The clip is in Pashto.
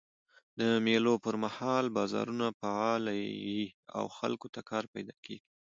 د مېلو پر مهال بازارونه فعاله يي او خلکو ته کار پیدا کېږي.